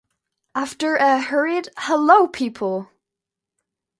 After a hurried "Hello, people!"